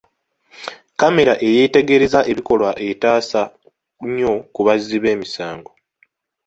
Kkamera eyeetegereza ebikolwa etaasa nnyo ku bazzi b'emisango.